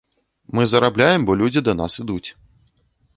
Мы зарабляем, бо людзі да нас ідуць.